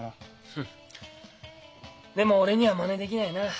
フッでも俺にはまねできないなあ。